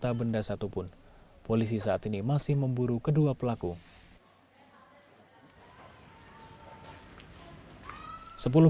tak benda satupun polisi saat ini masih memburu kedua pelaku